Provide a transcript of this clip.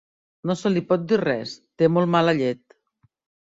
No se li pot dir res, té molt mala llet.